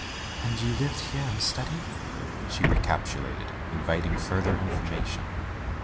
"And you live here and study," she re capitulated, inviting further information.